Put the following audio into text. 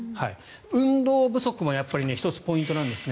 運動不足も１つポイントなんですね。